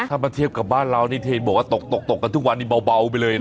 ถ้ามาเทียบกับบ้านเรานี่เทนบอกว่าตกตกกันทุกวันนี้เบาไปเลยนะ